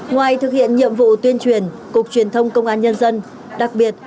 ngoài thực hiện nhiệm vụ tuyên truyền cục truyền thông công an nhân dân đặc biệt